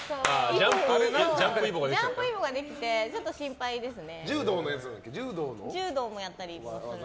ジャンプいぼができてちょっと心配ですね。